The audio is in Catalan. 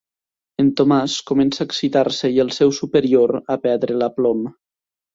El Tomàs comença a excitar-se i el seu superior a perdre l'aplom.